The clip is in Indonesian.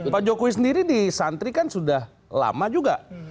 pak jokowi sendiri di santri kan sudah lama juga